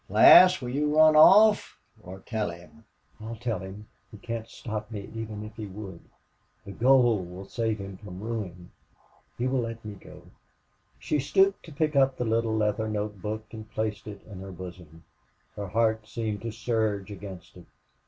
Lass, will you run off or tell him?" "I'll tell him. He can't stop me, even if he would.... The gold will save him from ruin....He will let me go." She stooped to pick up the little leather note book and placed it in her bosom. Her heart seemed to surge against it.